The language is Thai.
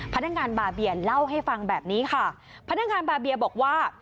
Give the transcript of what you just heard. พนักงานบาเบียเล่าให้ฟังแบบนี้ค่ะพนักงานบาเบียบอกว่า